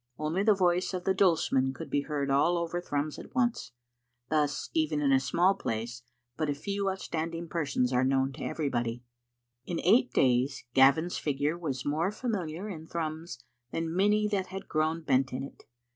Only the voice of the dulsemen could be heard all ovei Thrums at once. Thus even in a small place but a few outstanding persons are known to everybody. In eight days Gavin's figure was more familiar in Thrums than many that had grown bent in it.